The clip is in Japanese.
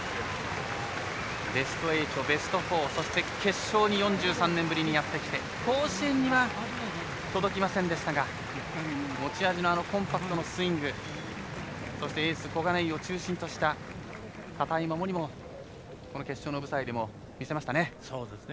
ベスト８、ベスト４そして決勝に４３年ぶりにやってきて甲子園には届きませんでしたが持ち味のコンパクトなスイングそしてエース小金井を中心とした堅い守りも決勝の舞台でも見せましたね。